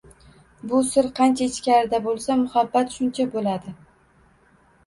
Bu sir qancha ichkarida bo‘lsa, muhabbat shuncha bo‘ladi